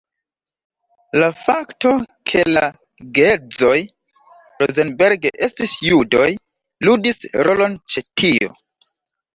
La fakto ke la geedzoj Rosenberg estis judoj, ludis rolon ĉe tio.